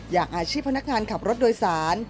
อย่างอาชีพพนักงานขับรถโดยสาร